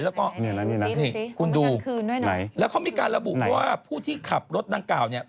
แล้วก็นี่คุณดูคืนแล้วเขามีการระบุว่าผู้ที่ขับรถดังกล่าวเนี่ย